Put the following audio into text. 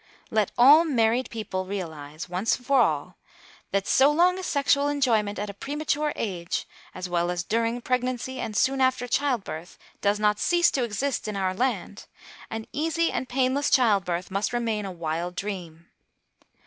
Let all married people realise, once for all, that, so long as sexual enjoyment at a premature age, as well as during pregnancy and soon after child birth, does not cease to exist in our land, an easy and painless child birth must remain a wild dream.